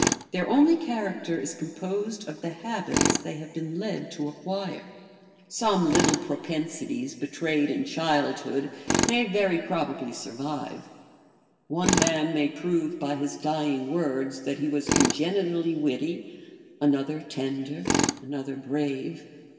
Their only character is composed of the habits they have been led to acquire. Some little propensities betrayed in childhood may very probably survive; one man may prove by his dying words that he was congenitally witty, another tender, another brave.